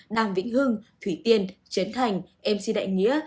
đàm vĩnh hưng thủy tiên trấn thành mc đại nghĩa